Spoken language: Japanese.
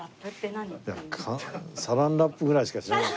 サランラップぐらいしか知らない。